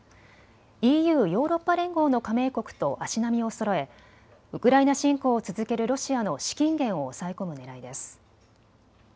ＥＵ・ヨーロッパ連合の加盟国と足並みをそろえウクライナ侵攻を続けるロシアの資金源を抑え込むねらいです。